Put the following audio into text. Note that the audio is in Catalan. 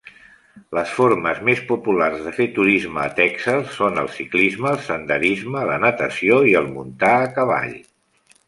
Les formes més populars de fer turisme a Texel són el ciclisme, el senderisme, la natació i el muntar a cavall.